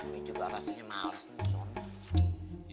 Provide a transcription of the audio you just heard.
mie juga rasanya males mie